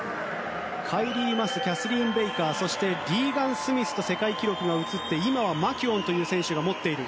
カイリー・マスキャスリーン・ベイカーそして、リーガン・スミスと世界記録が映って今はマキーオンという選手が持っている。